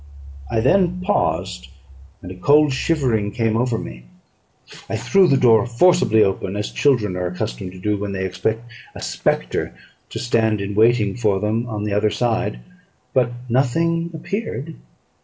I then paused; and a cold shivering came over me. I threw the door forcibly open, as children are accustomed to do when they expect a spectre to stand in waiting for them on the other side; but nothing appeared.